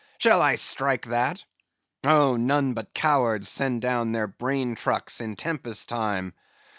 Shall I strike that? Oh, none but cowards send down their brain trucks in tempest time.